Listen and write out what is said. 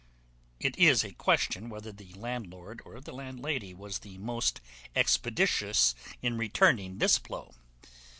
It is a question whether the landlord or the landlady was the most expeditious in returning this blow.